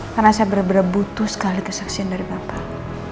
karena saya benar benar butuh sekali kesaksian dari bapak